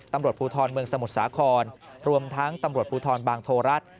ตำรวจภูทรเมืองสมุทรสาครรวมทั้งตำรวจภูทรบางโทรัฐ